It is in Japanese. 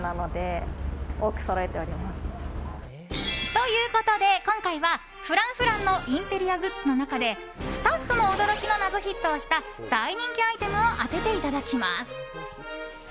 ということで、今回はＦｒａｎｃｆｒａｎｃのインテリアグッズの中でスタッフも驚きの謎ヒットをした大人気アイテムを当てていただきます！